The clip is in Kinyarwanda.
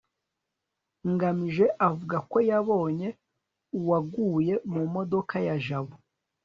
ngamije avuga ko yabonye uwaguye mu modoka ya jabo